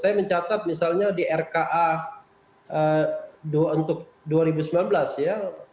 saya mencatat misalnya di rka untuk dua ribu sembilan belas ya